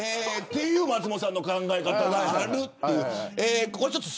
いう松本さんの考え方があるということです。